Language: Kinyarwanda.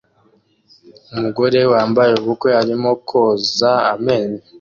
Umugore wambaye ubukwe arimo koza amenyo